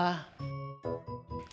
sekarang ibu jadi semangat